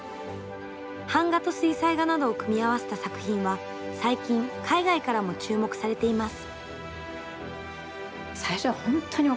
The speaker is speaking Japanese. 版画と水彩画などを組み合わせた作品は最近、海外からも注目されています。